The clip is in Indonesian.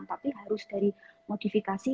tapi harus dari modifikasi